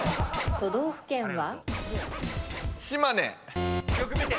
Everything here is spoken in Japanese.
都道府県は？